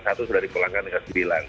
satu sudah dipulangkan dengan sembilan